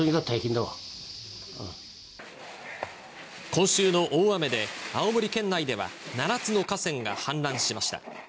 今週の大雨で青森県内では７つの河川が氾濫しました。